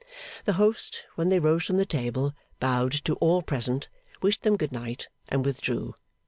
The host, when they rose from the table, bowed to all present, wished them good night, and withdrew.